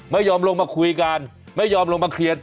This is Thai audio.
ไม่ยอมลงมาคุยกันไม่ยอมลงมาเคลียร์